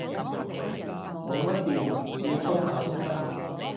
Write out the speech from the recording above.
冇乜電，要充下先得